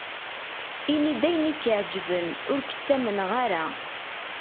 Ini-d ayen i ak-iɛeǧben, ur k-ttamneɣ ara.